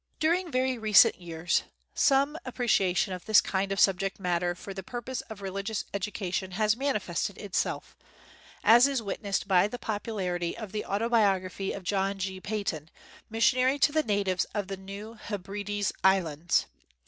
During very recent years some apprecia tion of this kind of subject matter for the purpose of religious education has mani fested itself, as is witnessed by the populari ty of the autobiography of John G. Paton, missionary to the natives of the New Heb rides Islands.